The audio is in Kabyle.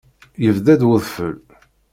Yebda-d wedfel.